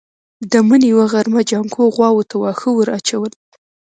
د مني يوه غرمه جانکو غواوو ته واښه ور اچول.